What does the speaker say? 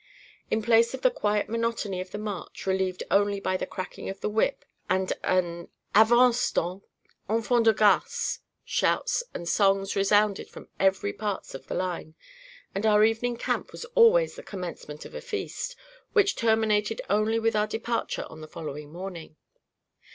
In place of the quiet monotony of the march, relieved only by the cracking of the whip, and an 'avance donc! enfant de garce!' shouts and songs resounded from every part of the line, and our evening camp was always the commencement of a feast, which terminated only with our departure on the following morning.